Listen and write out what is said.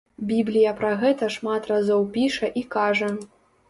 Біблія пра гэта шмат разоў піша і кажа.